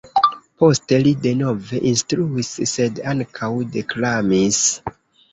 Poste li denove instruis, sed ankaŭ deklamis.